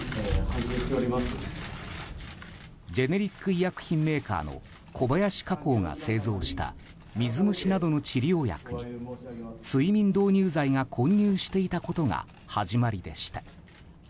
ジェネリック医薬品メーカーの小林化工が製造した水虫などの治療薬に睡眠導入剤が混入していたことが始まりでした。